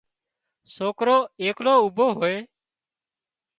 سوڪرو ايڪلو اوڀو هوئي